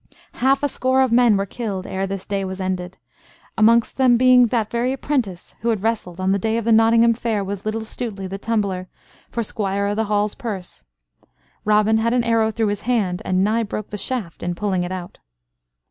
Half a score of men were killed ere this day was ended, amongst them being that very apprentice who had wrestled on the day of Nottingham Fair with little Stuteley, the tumbler, for Squire o' th' Hall's purse. Robin had an arrow through his hand, and nigh broke the shaft in pulling it out.